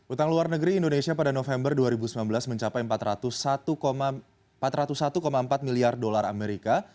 utang luar negeri indonesia pada november dua ribu sembilan belas mencapai empat ratus satu empat miliar dolar amerika